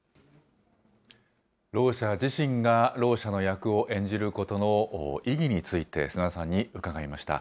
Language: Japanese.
ろう者自身がろう者の役を演じることの意義について、砂田さんに伺いました。